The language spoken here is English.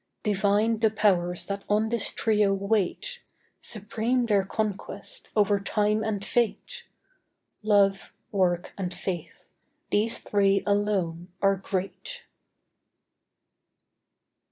Divine the Powers that on this trio wait. Supreme their conquest, over Time and Fate. Love, Work, and Faith—these three alone are great.